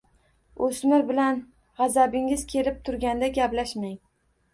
O‘smir bilan g‘azabingiz kelib turganda gaplashmang.